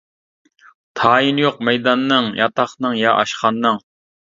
تايىنى يوق مەيداننىڭ, ياتاقنىڭ يا ئاشخانىنىڭ.